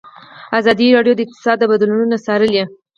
ازادي راډیو د اقتصاد بدلونونه څارلي.